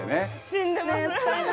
死んでます。